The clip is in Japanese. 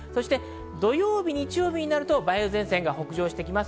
土曜日、日曜日になると梅雨前線が北上してきます。